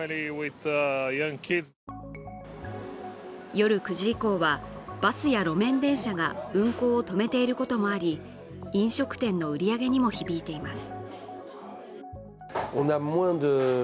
夜９時以降はバスや路面電車が運行を止めていることもあり飲食店の売り上げにも響いています。